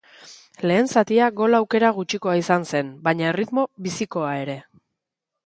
Lehen zatia gol aukera gutxikoa izan zen, baina erritmo bizikoa ere.